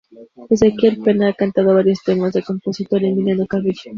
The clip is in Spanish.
Ezequiel Pena ha cantado varios temas de Compositor Emilio Carrillo.